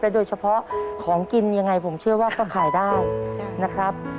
โดยเฉพาะของกินยังไงผมเชื่อว่าก็ขายได้นะครับ